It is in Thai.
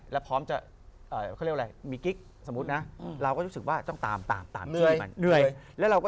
เดี๋ยวเราสนึกว่ามันน่ะ